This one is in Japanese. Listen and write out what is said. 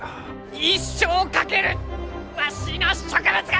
一生を懸けるわしの植物学！